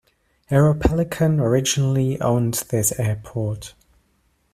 Aeropelican originally owned this airport.